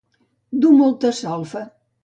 Dur molta solfa.